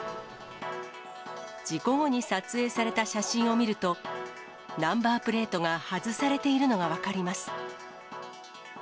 事故後に撮影された写真を見ると、ナンバープレートが外されているのが分かります。